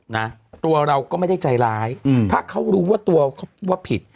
นะตัวเราก็ไม่ได้ใจร้ายอืมถ้าเขารู้ว่าตัวเขาว่าผิด